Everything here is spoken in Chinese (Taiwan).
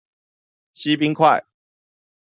西濱快